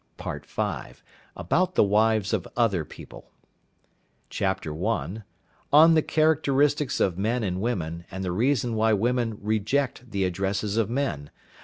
PART V. ABOUT THE WIVES OF OTHER PEOPLE. Chapter I. On the Characteristics of Men and Women, and the reason why Women reject the Addresses of Men.